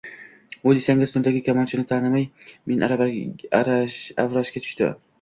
U desangiz, tundagi kamonchini tanimay, meni avrashga tushdi: